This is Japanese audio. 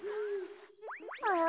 あら？